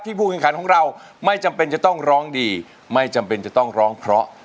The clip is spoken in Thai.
ผู้แข่งขันของเราไม่จำเป็นจะต้องร้องดีไม่จำเป็นจะต้องร้องเพราะ